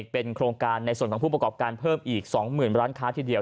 เป็นโครงการในส่วนของผู้ประกอบการเพิ่มอีก๒๐๐๐ร้านค้าทีเดียว